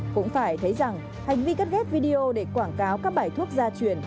cũng phải thấy rằng hành vi cắt ghép video để quảng cáo các bài thuốc gia truyền